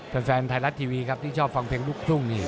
แฟนไทยรัฐทีวีครับที่ชอบฟังเพลงลูกทุ่งนี่